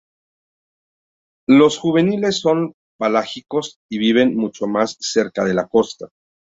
Los juveniles son pelágicos y viven mucho más cerca de la costa.